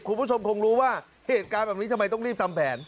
คุณผู้ชมคงรู้ว่าเหตุการณ์แบบนี้ทำไมต้องรีบทำแผน